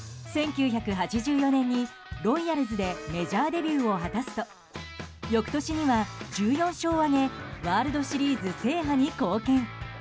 １９８４年にロイヤルズでメジャーデビューを果たすと翌年には１４勝を挙げワールドシリーズ制覇に貢献。